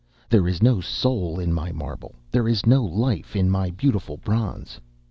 There is no soul in my marble, there is no life in my beautiful bronze."